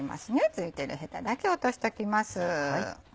付いてるヘタだけ落としときます。